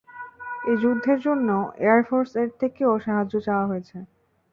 এই যুদ্ধের জন্য এয়ারফোর্স এর থেকেও সাহায্য চাওয়া হয়েছে।